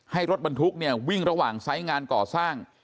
ให้รถบันทุกข์วิ่งระหว่างสายงานก่อสร้าง